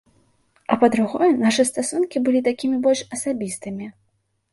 А па-другое, нашы стасункі былі такімі больш асабістымі.